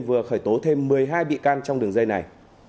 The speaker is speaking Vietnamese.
vừa khởi tố thêm một mươi hai bị can trong đường dây này